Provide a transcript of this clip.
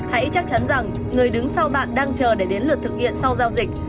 hãy chắc chắn rằng người đứng sau bạn đang chờ để đến lượt thực hiện sau giao dịch